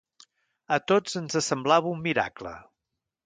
A tots ens semblava un miracle.